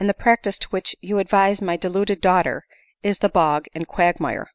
53 practice to which you advise my deluded daughter is the bog and the quagmire.